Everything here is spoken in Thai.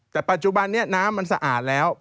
แต่ปัจจุบันนี้น้ำมันสะอาดแล้ว